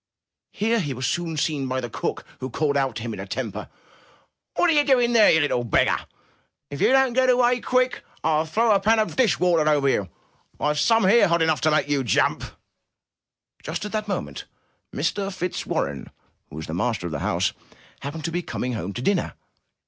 Here he was soon seen by the cook, who called out to him in a temper: *'What are you doing there, you little beggar? If you don't get away quick, TU throw a panful of dish water over you! Tve some here hot enough to make you jump!" Just at that moment, Mr. Fitzwarren, who was the master of the house, happened to be coming home to dinner.